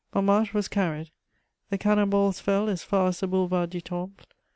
Montmartre was carried: the cannon balls fell as far as the Boulevard du Temple.